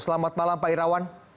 selamat malam pak irawan